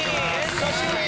久しぶり。